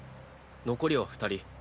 残りは２人。